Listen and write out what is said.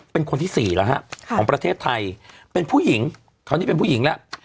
เป็นคนที่สี่แล้วฮะของประเทศไทยเป็นผู้หญิงคราวนี้เป็นผู้หญิงแล้ว